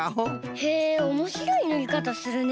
へえおもしろいぬりかたするね。